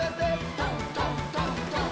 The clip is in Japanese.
「どんどんどんどん」